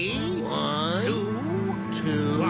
うわ！